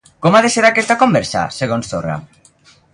Com ha de ser aquesta conversa, segons Torra?